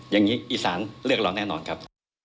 อย่างนี้อีสานเลือกเราแน่นอนครับ